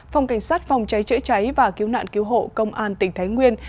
phòng cảnh sát phòng cháy chữa cháy và cứu nạn cứu hộ công an tỉnh thái nguyên